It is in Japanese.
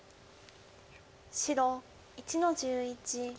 白１の十一。